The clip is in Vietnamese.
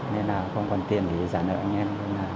nên là không còn tiền để trả nợ anh em